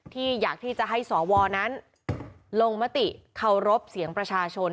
อยากที่จะให้สวนั้นลงมติเคารพเสียงประชาชน